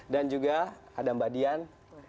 dan juga ada mbak dian